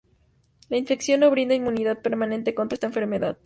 La infección no brinda inmunidad permanente contra esta enfermedad.